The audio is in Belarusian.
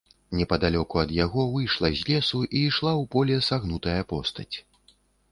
Непадалёку ад яго выйшла з лесу і ішла ў поле сагнутая постаць.